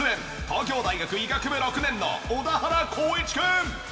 東京大学医学部６年の小田原光一君。